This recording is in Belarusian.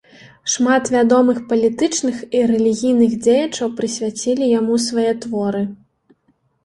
Шмат вядомых палітычных і рэлігійных дзеячаў прысвяцілі яму свае творы.